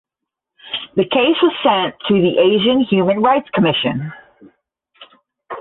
The case was sent to the Asian Human Rights Commission.